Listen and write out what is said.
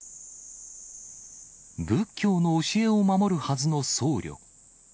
仏教の教えを守るはずの僧侶。